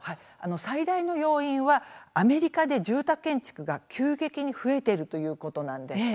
最大の要因はアメリカで住宅建築が急激に増えているということです。